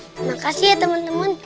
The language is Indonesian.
terima kasih ya teman teman